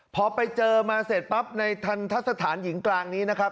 พอไปเจอมาเสร็จปั๊บในทันทะสถานหญิงกลางนี้นะครับ